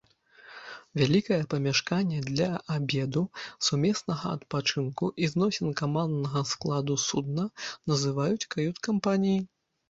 Вялікае памяшканне для абеду, сумеснага адпачынку і зносін каманднага складу судна называюць кают-кампаніяй.